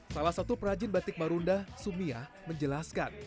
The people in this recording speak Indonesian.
salah satu perajin batik marunda sumia menjelaskan